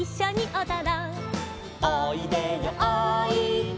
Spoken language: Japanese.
「おいでよおいで」